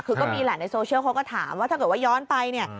คือก็มีแหละในโซเชียลเขาก็ถามว่าถ้าเกิดว่าย้อนไปเนี่ย